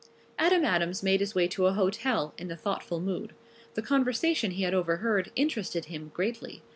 Adam Adams made his way to a hotel in a thoughtful mood. The conversation he had overheard interested him greatly.